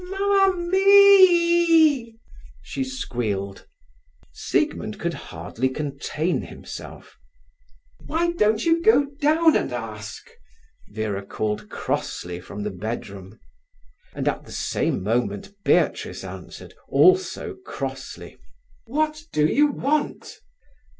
"Mam mee e!" she squealed. Siegmund could hardly contain himself. "Why don't you go down and ask?" Vera called crossly from the bedroom. And at the same moment Beatrice answered, also crossly: "What do you want?"